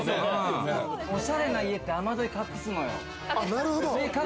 おしゃれな家って、雨どい隠すのよ。